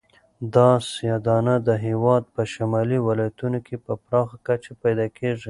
دا سیاه دانه د هېواد په شمالي ولایتونو کې په پراخه کچه پیدا کیږي.